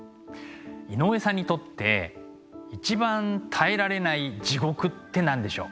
井上さんにとって一番耐えられない地獄って何でしょう？